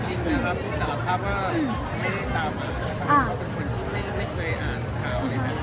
จริงนะคะพูดว่ารามา